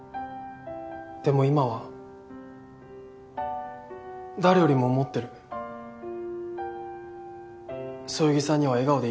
でも今は誰よりも思ってる「そよぎさんには笑顔でいてほしい」って。